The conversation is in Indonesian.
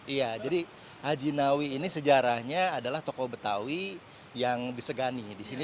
iya jadi hajinawi ini sejarahnya adalah tokoh betawi yang disegani di sini